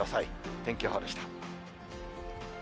天気予報でした。